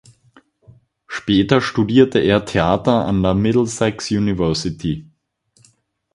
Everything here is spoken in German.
Später studierte er Theater an der Middlesex University.